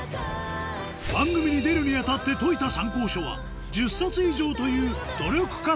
番組に出るに当たって解いた参考書は１０冊以上という努力家